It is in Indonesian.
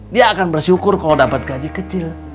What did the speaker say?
dia akan bersyukur kalau dapat gaji kecil